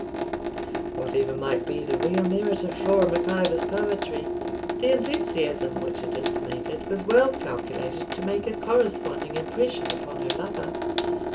Whatever might be the real merit of Flora Mac Ivor's poetry, the enthusiasm which it intimated was well calculated to make a corresponding impression upon her lover.